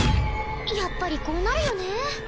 やっぱりこうなるよね